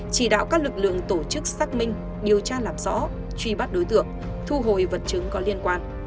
chỉ đạo các lực lượng tổ chức xác minh điều tra làm rõ truy bắt đối tượng thu hồi vật chứng có liên quan